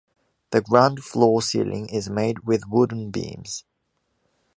The ground floor ceiling is made with wooden beams.